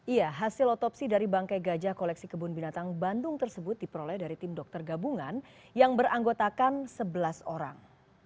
iya hasil otopsi dari bangkai gajah koleksi kebun binatang bandung tersebut diperoleh dari tim dokter gabungan yang beranggotakan sebelas orang